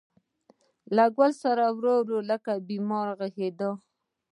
له ګل ســـــــره ورو، ورو لکه بیمار غـــــــږېده